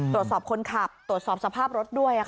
ตรวจสอบคนขับตรวจสอบสภาพรถด้วย